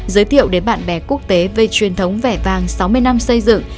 giới thiệu đến bạn bè quốc tế về truyền thống vẻ vàng sáu mươi năm xây dựng